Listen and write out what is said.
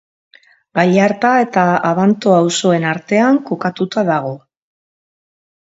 Gallarta eta Abanto auzoen artean kokatuta dago.